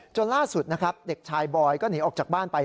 ล่าสุดนะครับเด็กชายบอยก็หนีออกจากบ้านไป